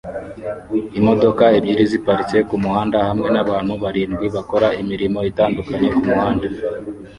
Imodoka ebyiri ziparitse kumuhanda hamwe nabantu barindwi bakora imirimo itandukanye kumuhanda